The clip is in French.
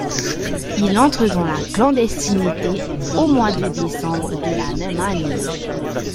Il entre dans la clandestinité au mois de décembre de la même année.